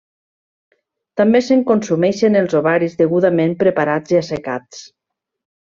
També se'n consumeixen els ovaris degudament preparats i assecats.